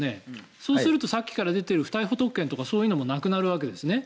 そうなるとさっきから出ている不逮捕特権とかそういうのもなくなるわけですね。